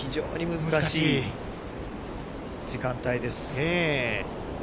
難しい時間帯です。